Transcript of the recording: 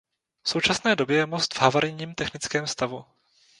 V současné době je most v havarijním technickém stavu.